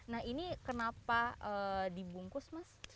nah ini kenapa dibungkus mas